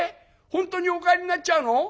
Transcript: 本当にお帰りになっちゃうの？